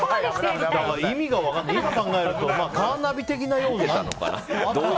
今考えるとカーナビ的な感じだったのかな。